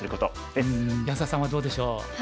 安田さんはどうでしょう？